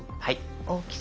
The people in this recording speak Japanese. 大きさ。